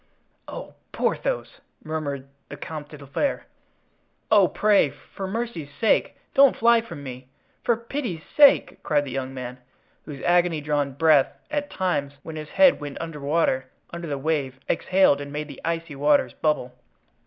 "Oh! Porthos!" murmured the Comte de la Fere. "Oh, pray, for mercy's sake, don't fly from me. For pity's sake!" cried the young man, whose agony drawn breath at times, when his head went under water, under the wave, exhaled and made the icy waters bubble.